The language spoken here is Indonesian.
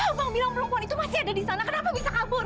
abang bilang perempuan itu masih ada di sana kenapa bisa kabur